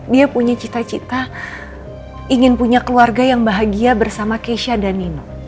dia punya cita cita ingin punya keluarga yang bahagia bersama keisha dan nino